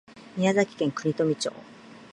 宮崎県国富町